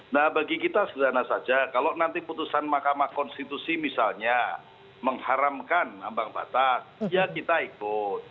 nah bagi kita sederhana saja kalau nanti putusan mahkamah konstitusi misalnya mengharamkan ambang batas ya kita ikut